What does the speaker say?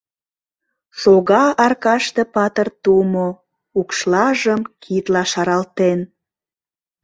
Шога аркаште патыр тумо, Укшлажым кидла шаралтен.